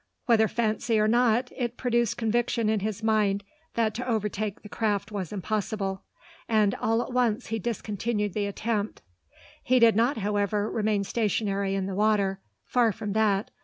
Whether fancy or not, it produced conviction in his mind that to overtake the craft was impossible; and all at once he discontinued the attempt. He did not, however, remain stationary in the water. Far from that.